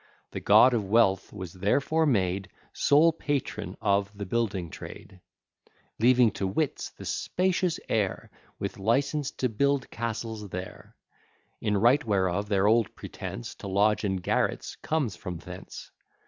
The God of Wealth was therefore made Sole patron of the building trade; Leaving to wits the spacious air, With license to build castles there: In right whereof their old pretence To lodge in garrets comes from thence.